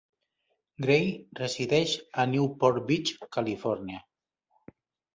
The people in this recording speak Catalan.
Gray resideix a Newport Beach, Califòrnia.